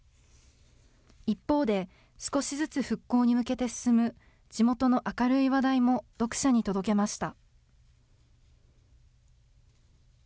一方で、少しずつ復興に向けて進む、地元の明るい話題も読者に届けました。